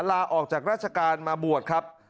ลาออกจากราชการมาบวชครับ